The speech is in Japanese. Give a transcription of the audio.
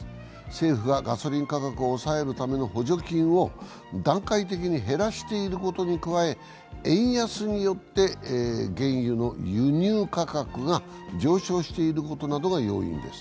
政府がガソリン価格を抑えるための補助金を段階的に減らしていることに加え、円安によって原油の輸入価格が上昇していることなどが要因です。